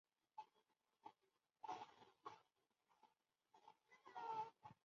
附盖猪笼草是婆罗洲沙捞越中部的霍斯山脉特有的热带食虫植物。